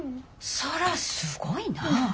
そらすごいなぁ。